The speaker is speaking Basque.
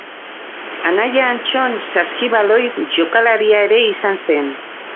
Anaia Antxon saskibaloi jokalaria ere izan zen.